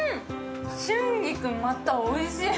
春菊がまたおいしい。